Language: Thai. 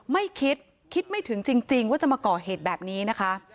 ไม่คิดคิดไม่ถึงจริงว่าจะมาก่อเหตุแบบนี้นะคะ